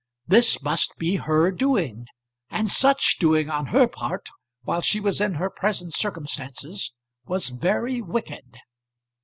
This must be her doing, and such doing on her part, while she was in her present circumstances, was very wicked.